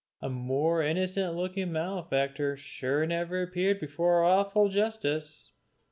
A more innocent looking malefactor sure never appeared before awful Justice!